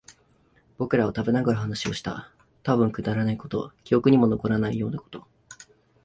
僕らは食べながら話をした。たぶんくだらないこと、記憶にも残らないようなこと。